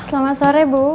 selamat sore bu